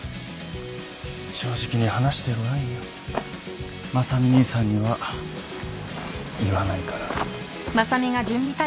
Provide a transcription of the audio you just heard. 正直に話してごらんよ正海兄さんには言わないから。